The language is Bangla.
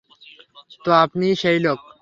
তো আপনিই সেই লোক।